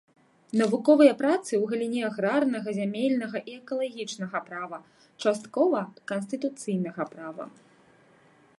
Навуковыя працы ў галіне аграрнага, зямельнага і экалагічнага права, часткова канстытуцыйнага права.